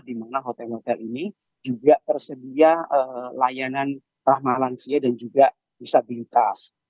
di mana hotel hotel ini juga tersedia layanan rahmalan sia dan juga bisa bintas